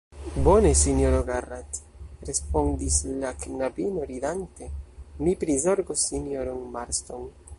Bone, sinjoro Garrat, respondis la knabino, ridante, mi prizorgos sinjoron Marston.